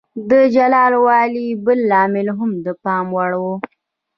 د جلا والي بل لامل هم د پام وړ و.